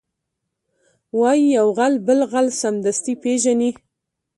وایي یو غل بل غل سمدستي پېژني